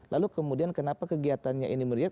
lalu kemudian kenapa kegiatannya ini meriah